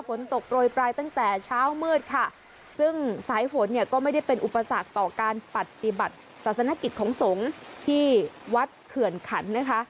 ฝนตกโรยปลายตั้งแต่เช้ามืดค่ะซึ่งสายฝนเนี่ยก็ไม่ได้เป็นอุปสรรคต่อการปฏิบัติศาสนกิจของสงฆ์ที่วัดเขื่อนขันนะคะ